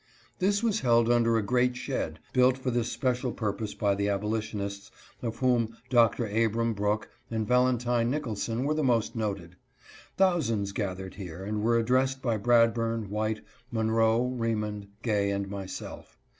This was held under a great shed, built for this special purpose by the abolitionists, of whom Dr. Abram Brook and Valentine Nicholson were the most noted. Thousands gathered here and were addressed by Brad burn, White, Monroe, Remond, Gay, and myself.